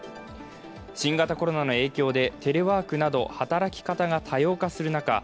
新型コロナの影響でテレワークなど働き方が多様化する中